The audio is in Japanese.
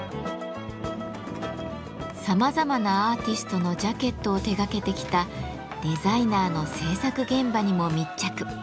さまざまなアーティストのジャケットを手がけてきたデザイナーの制作現場にも密着。